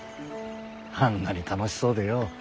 あんなに楽しそうでよ。